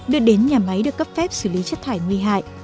đưa đến nhà máy được cấp phép xử lý chất thải nguy hại